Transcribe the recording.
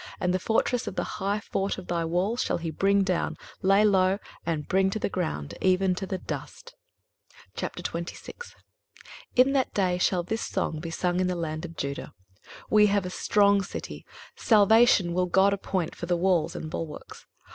23:025:012 And the fortress of the high fort of thy walls shall he bring down, lay low, and bring to the ground, even to the dust. 23:026:001 In that day shall this song be sung in the land of Judah; We have a strong city; salvation will God appoint for walls and bulwarks.